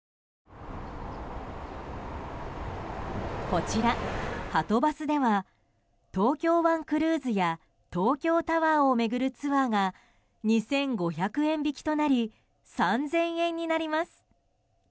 こちら、はとバスでは東京湾クルーズや東京タワーを巡るツアーが２５００円引きとなり３０００円になります。